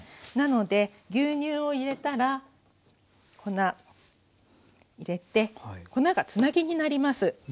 なので牛乳を入れたら粉入れて粉がつなぎになります。